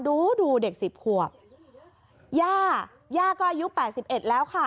ดูดูเด็กสิบขวบย่าย่าก็อายุแปดสิบเอ็ดแล้วค่ะ